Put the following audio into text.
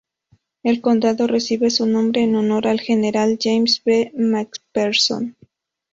El condado recibe su nombre en honor al general James B. McPherson.